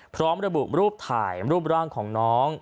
พร้อมระบุรูปถ่ายรูปร่างของน้อง